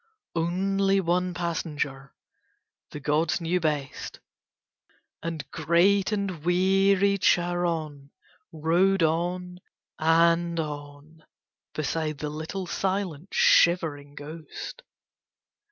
Only one passenger: the gods knew best. And great and weary Charon rowed on and on beside the little, silent, shivering ghost.